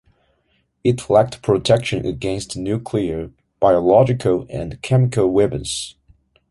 It lacked protection against nuclear, biological and chemical weapons.